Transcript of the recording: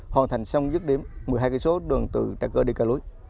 hoàn thành xong dứt đến một mươi hai km đường từ trà khê đi cao lối